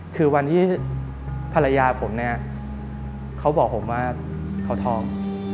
คือวันที่ภรรยาผมเนี่ยเขาบอกผมว่าเขาท้อง